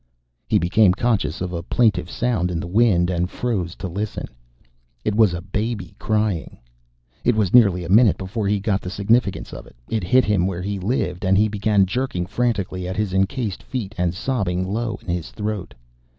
He became conscious of a plaintive sound in the wind, and froze to listen. It was a baby crying. It was nearly a minute before he got the significance of it. It hit him where he lived, and he began jerking frantically at his encased feet and sobbing low in his throat.